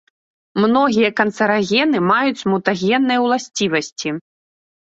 Многія канцэрагены маюць мутагенныя ўласцівасці.